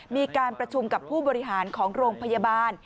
มีการประชุมกับผู้บริหารของโรงพยาบาล